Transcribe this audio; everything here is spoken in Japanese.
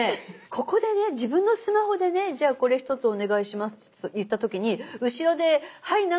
ここでね自分のスマホでね「じゃあこれ１つお願いします」といった時に後ろで「はいなんとか」って言ってたのがすごく。